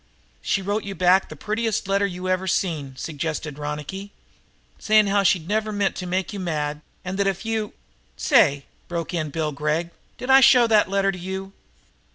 "She wrote you back the prettiest letter you ever seen," suggested Ronicky, "saying as how she'd never meant to make you mad and that if you " "Say," broke in Bill Gregg, "did I show that letter to you?"